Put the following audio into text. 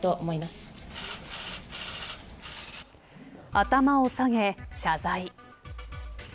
頭を下げ、謝罪。